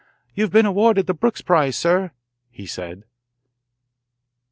"You have been awarded the Brooks Prize, sir," he said.